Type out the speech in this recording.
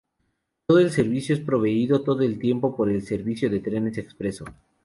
Todo el servicio es proveído todo el tiempo por el Servicio de Trenes Expresos.